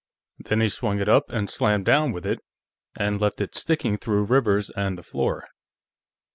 Then he swung it up and slammed down with it, and left it sticking through Rivers and in the floor."